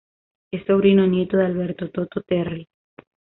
Es sobrino nieto de Alberto "Toto" Terry.